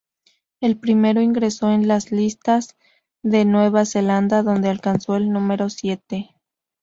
El primero ingresó en las listas de Nueva Zelanda donde alcanzó el número siete.